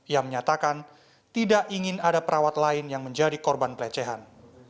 ia menyatakan tidak ingin ada perawat lain yang menjadi korban pelecehan